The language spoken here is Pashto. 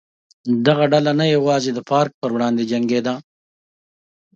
دغه ډله نه یوازې د فارک پر وړاندې جنګېده.